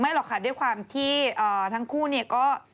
หรอกค่ะด้วยความที่ทั้งคู่เนี่ยก็